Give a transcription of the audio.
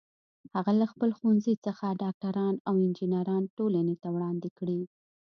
هغه له خپل ښوونځي څخه ډاکټران او انجینران ټولنې ته وړاندې کړي